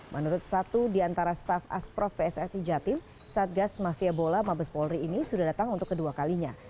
menurut satu di antara staff asprof pssi jatim satgas mafia bola mabes polri ini sudah datang untuk kedua kalinya